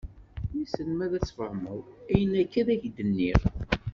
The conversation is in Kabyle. Wissen ma ad d-tfehmeḍ ayen akka i ak-d-nniɣ.